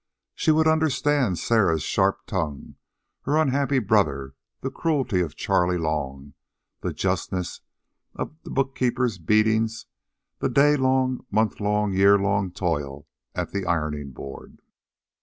She would understand Sarah's sharp tongue, her unhappy brother, the cruelty of Charley Long, the justness of the bookkeeper's beating, the day long, month long, year long toil at the ironing board.